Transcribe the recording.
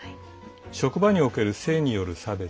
職場における、性による差別